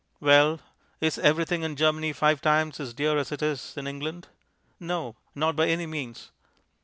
Well, is everything in Germany five times as dear as it is in England? No. Not by any means.